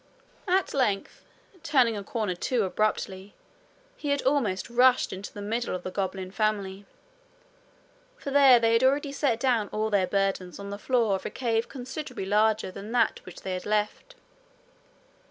At length, turning a corner too abruptly, he had almost rushed into the middle of the goblin family; for there they had already set down all their burdens on the floor of a cave considerably larger than that which they had left.